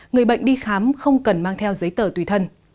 người bệnh đi khám không cần mang theo giấy tờ tùy thân